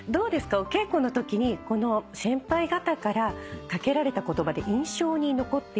お稽古のときにこの先輩方から掛けられた言葉で印象に残っている言葉はありませんか？